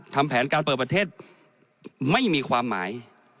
ทำแผนการเปิดประเทศไม่มีความหมาย